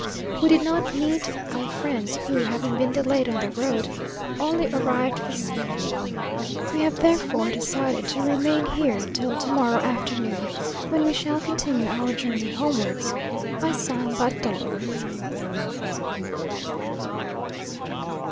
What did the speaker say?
We did not meet our friends, who, having been delayed on the road, only arrived this evening. We have therefore decided to remain here till to morrow afternoon, when we shall continue our journey homewards by San Bartolo.